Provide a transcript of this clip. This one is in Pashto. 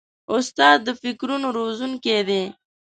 استاد د فکرونو روزونکی دی.